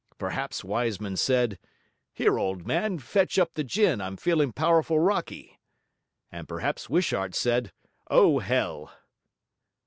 Perhaps Wiseman said, "Here old man, fetch up the gin, I'm feeling powerful rocky." And perhaps Wishart said, "Oh, hell!"'